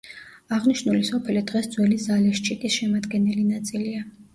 აღნიშნული სოფელი დღეს ძველი ზალეშჩიკის შემადგენელი ნაწილია.